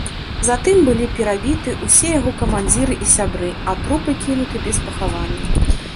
Затым былі перабіты ўсе яго камандзіры і сябры, а трупы кінуты без пахавання.